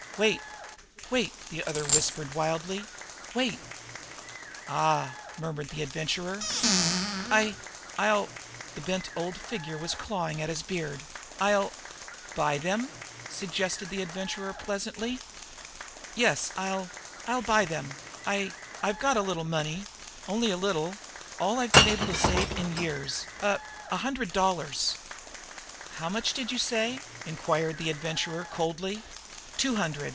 Wait! Wait!" the other whispered wildly. "Wait!" "Ah!" murmured the Adventurer. "I I'll" the bent old figure was clawing at his beard "I'll " "Buy them?" suggested the Adventurer pleasantly. "Yes, I'll I'll buy them. I I've got a little money, only a little, all I've been able to save in years, a a hundred dollars. "How much did you say?" inquired the Adventurer coldly. "Two hundred."